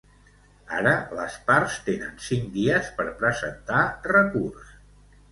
Ara, les parts tenen cinc dies per presentar recurs.